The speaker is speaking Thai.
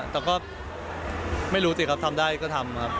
แต่ก็ไม่รู้สิครับทำได้ก็ทำครับ